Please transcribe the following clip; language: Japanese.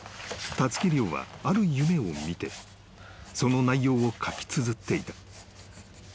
［たつき諒はある夢を見てその内容を書きつづっていた］